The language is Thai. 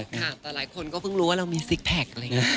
ค่ะแต่หลายคนก็เพิ่งรู้ว่าเรามีซิคแพค